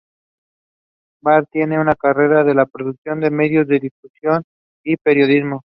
Badr tiene una carrera en la producción de medios de difusión y periodismo.